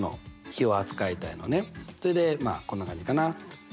それでまあこんな感じかな。